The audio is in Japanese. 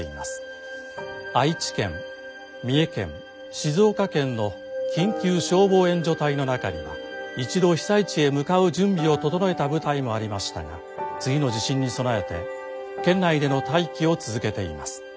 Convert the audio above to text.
愛知県三重県静岡県の緊急消防援助隊の中には一度被災地へ向かう準備を整えた部隊もありましたが次の地震に備えて県内での待機を続けています。